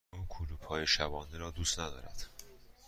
او کلوپ های شبانه را دوست ندارد.